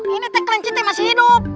ini teklenci masih hidup